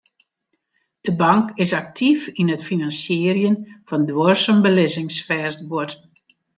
De bank is aktyf yn it finansierjen fan duorsum belizzingsfêstguod.